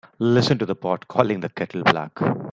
Listen to the pot calling the kettle black.